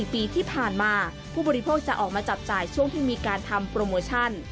ปีที่ผ่านมาผู้บริโภคจะออกมาจับจ่ายช่วงที่มีการทำโปรโมชั่น